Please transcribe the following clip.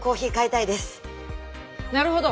なるほど。